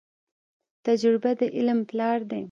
تجربه د علم پلار دی.